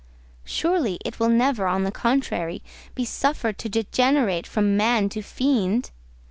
Surely it will never, on the contrary, be suffered to degenerate from man to fiend?